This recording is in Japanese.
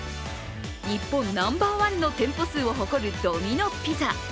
日本ナンバーワンの店舗数を誇るドミノ・ピザ。